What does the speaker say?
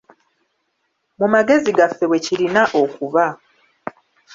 Mu magezi gaffe bwe kirina okuba.